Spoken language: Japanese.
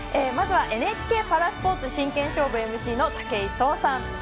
まずはＮＨＫ「パラスポーツ真剣勝負」ＭＣの武井壮さん。